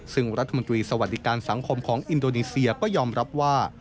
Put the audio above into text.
ซึ่งรัฐมนตรีสวัสดิการสังคมของอินโดนีเซียก็ยอมรับว่า